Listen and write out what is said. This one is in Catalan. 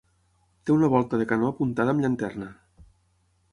Té una volta de canó apuntada amb llanterna.